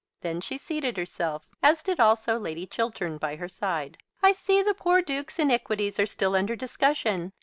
Then she seated herself, as did also Lady Chiltern by her side. "I see the poor Duke's iniquities are still under discussion.